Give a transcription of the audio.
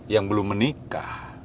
yang belum menikah